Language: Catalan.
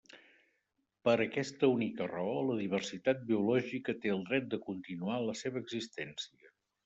Per aquesta única raó, la diversitat biològica té el dret de continuar la seva existència.